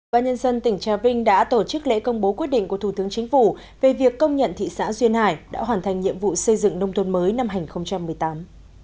và nhân dân tỉnh trà vinh đã tổ chức lễ công bố quyết định của thủ tướng chính phủ về việc công nhận thị xã duyên hải đã hoàn thành nhiệm vụ xây dựng nông thôn mới năm hai nghìn một mươi tám